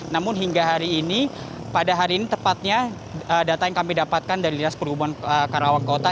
namun hingga hari ini pada hari ini tepatnya data yang kami dapatkan dari dinas perhubungan karawang kota